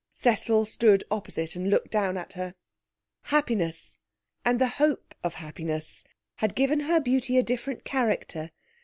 Cecil stood opposite and looked down at her. Happiness, and the hope of happiness, had given her beauty a different character.